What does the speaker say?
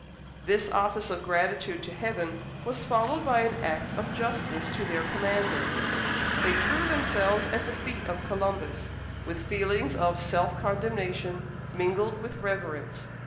This office of gratitude to Heaven was followed by an act of justice to their commander. They threw themselves at the feet of Columbus, with feelings of self condemnation, mingled with reverence.